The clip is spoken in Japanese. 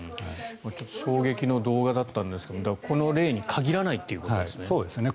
衝撃の動画だったんですがこの例に限らないということですね。